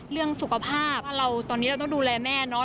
เรื่องสุขภาพเราตอนนี้เราต้องดูแลแม่เนาะ